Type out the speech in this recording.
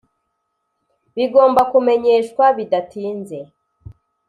bigomba kumenyeshwa bidatinze.